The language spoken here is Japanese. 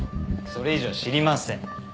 それ以上は知りません。